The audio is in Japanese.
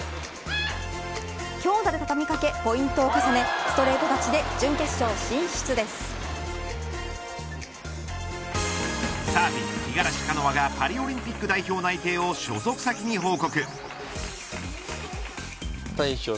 強打でたたみかけポイントを重ねストレート勝ちでサーフィン、五十嵐カノアがパリオリンピック代表内定を所属先に報告。